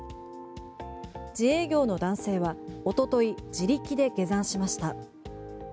自営業の男性はおととい自力で下山しました。